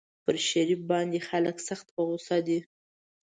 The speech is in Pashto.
پر شریف باندې خلک سخت په غوسه دي.